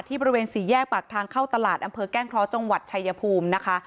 บริเวณสี่แยกปากทางเข้าตลาดอำเภอแก้งเคราะห์จังหวัดชายภูมินะคะ